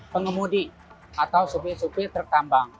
pengemudi atau supir supir truk truk tambang